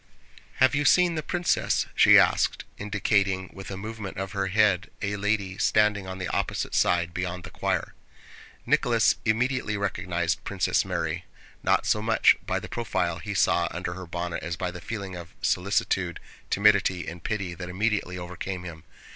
"Have you seen the princess?" she asked, indicating with a movement of her head a lady standing on the opposite side, beyond the choir. Nicholas immediately recognized Princess Mary not so much by the profile he saw under her bonnet as by the feeling of solicitude, timidity, and pity that immediately overcame him.